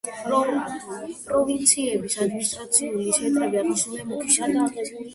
პროვინციების ადმინისტრაციული ცენტრები აღნიშნულია მუქი შრიფტით.